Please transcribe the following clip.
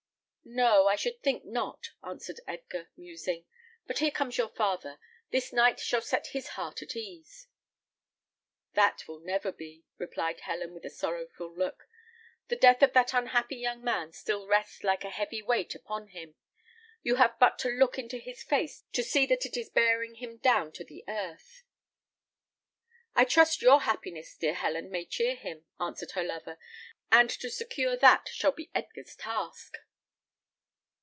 "No, I should think not," answered Edgar, musing. "But here comes your father. This night shall set his heart at ease." "That will never be," replied Helen, with a very sorrowful look. "The death of that unhappy young man still rests like a heavy weight upon him. You have but to look into his face to see that it is bearing him down to the earth." "I trust your happiness, dear Helen, may cheer him," answered her lover; "and to secure that shall be Edgar's task."